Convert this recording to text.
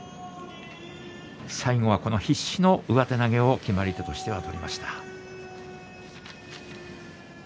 最後は必死の上手投げを決まり手としては取りました。